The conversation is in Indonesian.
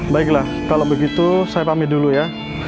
baiklah kalau begitu saya pamit dulu ya